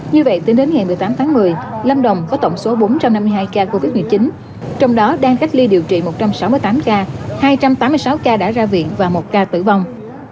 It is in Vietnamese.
như vậy tính đến ngày một mươi tám tháng một mươi lâm đồng có tổng số bốn trăm năm mươi hai ca covid một mươi chín trong đó đang cách ly điều trị một trăm sáu mươi tám ca hai trăm tám mươi sáu ca đã ra viện và một ca tử vong